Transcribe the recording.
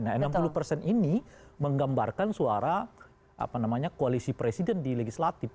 nah enam puluh persen ini menggambarkan suara koalisi presiden di legislatif